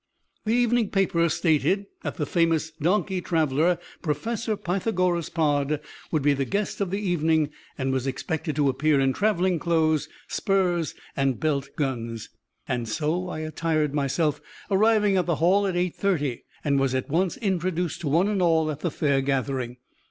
The evening paper stated that the famous donkey traveler, Professor Pythagoras Pod would be the guest of the evening, and was expected to appear in traveling clothes, spurs, and belt guns. And so I attired myself, arriving at the hall at eight thirty, and was at once introduced to one and all of the fair gathering.